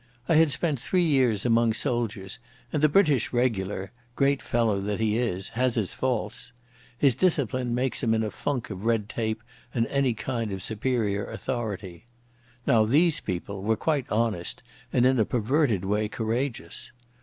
I had spent three years among soldiers, and the British regular, great fellow that he is, has his faults. His discipline makes him in a funk of red tape and any kind of superior authority. Now these people were quite honest and in a perverted way courageous.